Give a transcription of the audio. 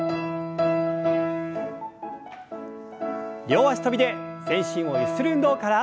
両脚跳びで全身をゆする運動から。